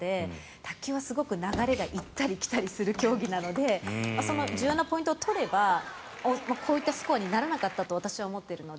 卓球はすごく流れが行ったり来たりする競技なのでその重要なポイントを取ればこういったスコアにならなかったと私は思っているので。